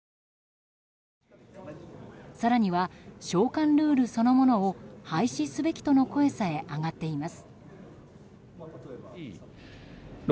更には、償還ルールそのものを廃止すべきとの声さえ上がっています。